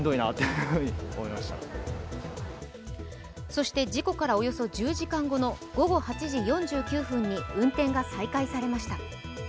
そして事故からおよそ１０時間後の午後８時４９分に運転が再開されました。